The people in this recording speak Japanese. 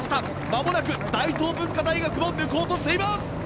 まもなく大東文化大学を抜こうとしています！